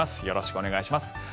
よろしくお願いします。